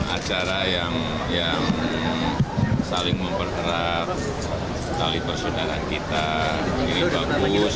acara yang saling memperterap kali persaudaraan kita ini bagus